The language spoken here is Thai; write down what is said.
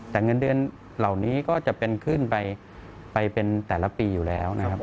แต่เงินเดือนเหล่านี้ก็จะเป็นขึ้นไปเป็นแต่ละปีอยู่แล้วนะครับ